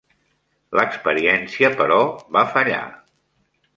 L'experiència, però, va fallar.